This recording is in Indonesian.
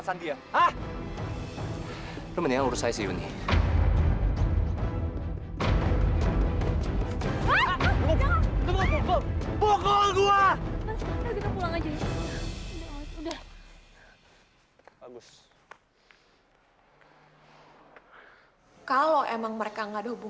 kenapa mas adam sama sekali gak melarangku